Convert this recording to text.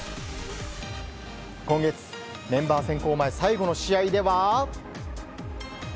今月、メンバー先行前最後の試合では。